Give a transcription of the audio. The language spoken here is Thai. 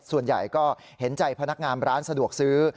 ส่วนใหญ่ก็เห็นใจพนักงานร้านสะดวกซื้อ